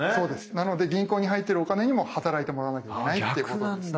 なので銀行に入ってるお金にも働いてもらわなきゃいけないってことなんですね。